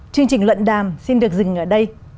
chương trình luận đàm xin được dừng ở đây